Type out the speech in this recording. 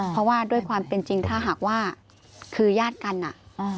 เพราะว่าด้วยความเป็นจริงถ้าหากว่าคือญาติกันอ่ะ